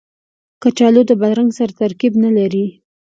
کچالو د بادرنګ سره ترکیب نه لري